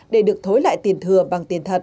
để được thối lại tiền thừa bằng tiền thật